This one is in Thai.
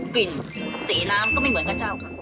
กลิ่นสีน้ำก็ไม่เหมือนกระเจ้าค่ะ